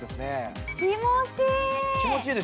気持ちいい。